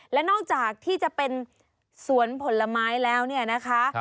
และนอกจากที่จะเป็นสวนผลไม้แล้วเนี่ยนะคะ